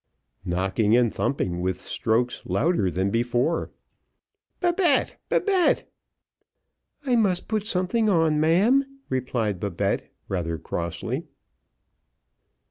Knocking and thumping with strokes louder than before. "Babette, Babette!" "I must put something on, ma'am," replied Babette, rather crossly.